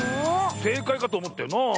せいかいかとおもったよなあ。